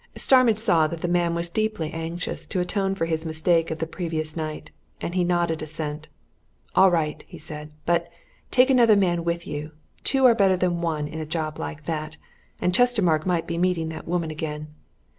Starmidge saw that the man was deeply anxious to atone for his mistake of the previous night, and he nodded assent. "All right," he said, "but take another man with you. Two are better than one in a job like that and Chestermarke might be meeting that woman again.